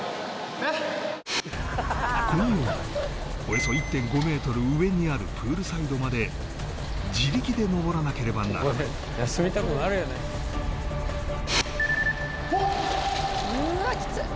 このようにおよそ１．５ｍ上にあるプールサイドまで自力で登らなければならないほっ！